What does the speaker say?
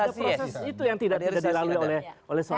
ada proses itu yang tidak dilalui oleh seorang jokowi